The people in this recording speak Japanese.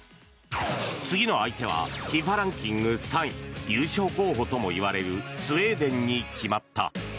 次の相手はＦＩＦＡランキング３位優勝候補ともいわれるスウェーデンに決まった。